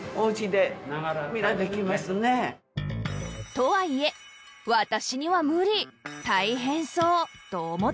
とはいえ「私には無理」「大変そう」と思っていませんか？